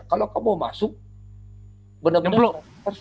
kalau kamu masuk benar benar seratus